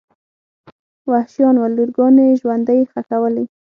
وحشیان ول لورګانې ژوندۍ ښخولې.